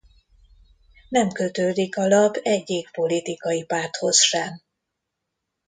Nem kötődik a lap egyik politikai párthoz sem.